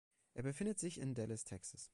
Es befindet sich in Dallas, Texas.